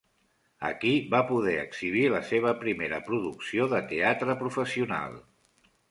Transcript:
Aquí va poder exhibir la seva primera producció de teatre professional.